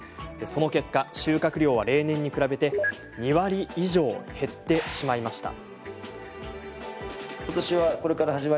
その結果、収穫量は例年に比べて２割以上減ってしまいました。